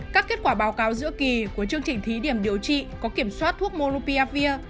các kết quả báo cáo giữa kỳ của chương trình thí điểm điều trị có kiểm soát thuốc morripia